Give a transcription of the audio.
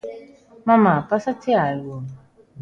_Mamá, ¿pásache algo?